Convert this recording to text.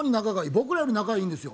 僕らより仲いいんですよ。